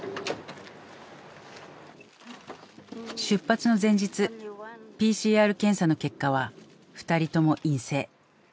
出発の前日ＰＣＲ検査の結果は２人とも陰性。